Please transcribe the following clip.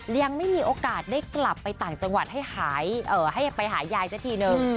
ยังไม่มีโอกาสได้กลับไปต่างจังหวัดให้ไปหายายซะทีนึง